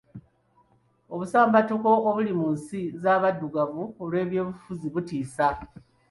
Obusambattuko obuli mu nsi z'abaddugavu olw'ebyobufuzi butiisa.